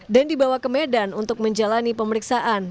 dan dibawa ke medan untuk menjalani pemeriksaan